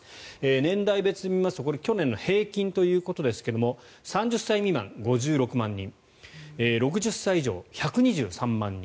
年代別で見ますとこれ、去年の平均ということですが３０歳未満、５６万人６０歳以上、１２３万人。